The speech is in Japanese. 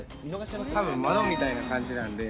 たぶん窓みたいな感じなんで。